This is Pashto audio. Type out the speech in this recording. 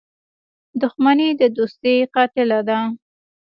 • دښمني د دوستۍ قاتله ده.